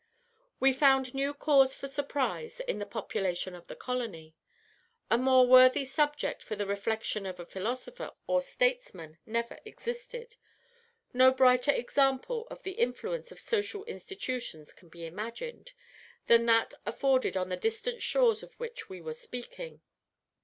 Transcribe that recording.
"We found new cause for surprise in the population of the colony. A more worthy subject for the reflection of a philosopher or statesman never existed no brighter example of the influence of social institutions can be imagined than that afforded on the distant shores of which we are speaking.